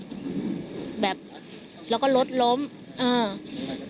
แล้วหลังจากนั้นเราขับหนีเอามามันก็ไล่ตามมาอยู่ตรงนั้น